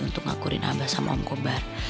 untuk ngakurin abah sama om kobar